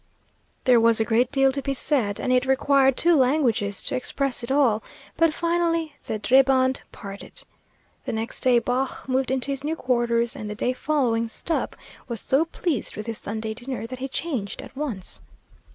There was a great deal to be said, and it required two languages to express it all, but finally the "Dreibund" parted. The next day Baugh moved into his new quarters, and the day following Stubb was so pleased with his Sunday dinner that he changed at once.